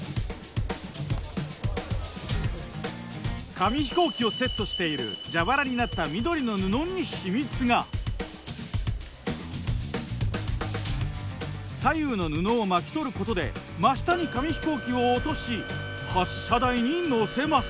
紙飛行機をセットしている蛇腹になった左右の布を巻き取ることで真下に紙飛行機を落とし発射台に乗せます。